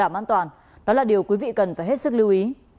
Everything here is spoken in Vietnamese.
để bảo đảm an toàn đó là điều quý vị cần phải hết sức lưu ý